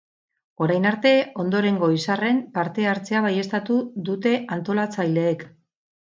Orain arte, ondorengo izarren parte hartzea baieztatu duteantolatzaileek.